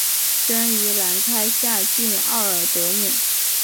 生于兰开夏郡奥尔德姆。